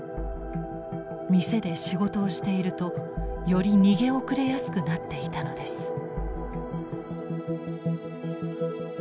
店で仕事をしているとより逃げ遅れやすくなっていたのです。